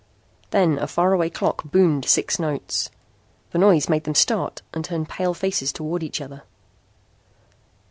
Then a faraway clock boomed six notes. The noise made them start and turn pale faces toward each other.